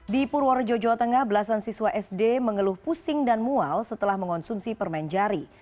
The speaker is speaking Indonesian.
di purworejo jawa tengah belasan siswa sd mengeluh pusing dan mual setelah mengonsumsi permen jari